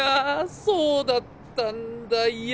そうだったんだいや